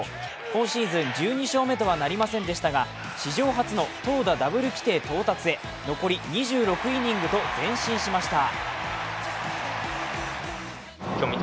今シーズン１２勝目とはなりませんでしたが史上初の投打ダブル規定到達へ残り２６イニングと前進しました。